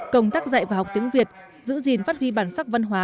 công tác dạy và học tiếng việt giữ gìn phát huy bản sắc văn hóa